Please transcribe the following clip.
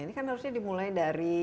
ini kan harusnya dimulai dari